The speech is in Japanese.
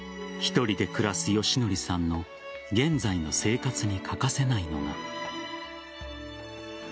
１人で暮らす良則さんの現在の生活に欠かせないのが。